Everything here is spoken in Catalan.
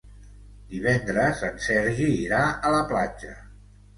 Divendres en Sergi irà a la platja.